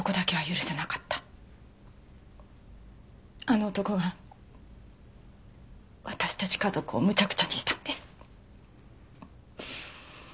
あの男が私たち家族をむちゃくちゃにしたんです。